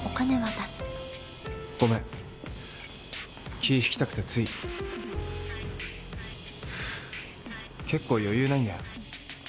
出すごめん気引きたくてつい結構余裕ないんだよ